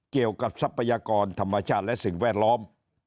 เกี่ยวกับทรัพยากรธรรมชาติและสิ่งแวดล้อม